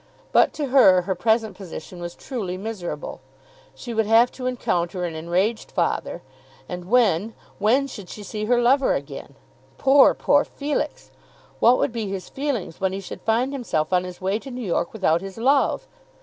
But to her her present position was truly miserable. She would have to encounter an enraged father; and when, when should she see her lover again? Poor, poor Felix! What would be his feelings when he should find himself on his way to New York without his love!